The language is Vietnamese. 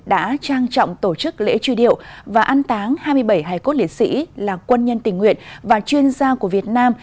đã trang trọng tổ chức lễ truy điệu và an táng hai mươi bảy hải cốt liệt sĩ là quân nhân tình nguyện và chuyên gia của việt nam